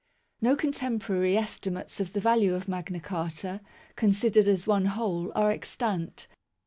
No contemporary estimates of the value of Magna Carta, considered as one whole, are extant.